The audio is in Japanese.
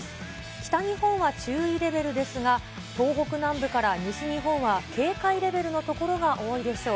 北日本は注意レベルですが、東北南部から西日本は警戒レベルの所が多いでしょう。